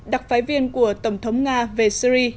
đặc phái viên của tổng thống nga về syri